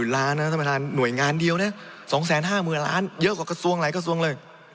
๒๕๐๐๐๐ล้านเนี่ยสำหรับหน่วยงานเดียวเนี่ย๒๕๐๐๐๐ล้านเยอะกว่ากระทรวงอะไรกระทรวงเลย